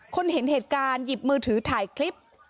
คนเห็นเหตุการณ์หยิบมือถือถ่ายคลิป